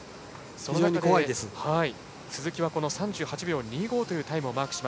その中で鈴木は３８秒２５というタイムをマーク。